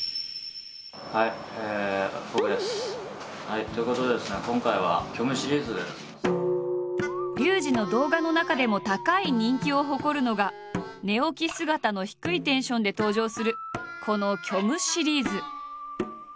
はいということでですねリュウジの動画の中でも高い人気を誇るのが寝起き姿の低いテンションで登場するこの「虚無シリーズ」。